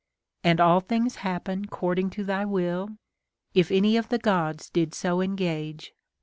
And all things happen 'cording to thy will ; If any of the Gods did so engage.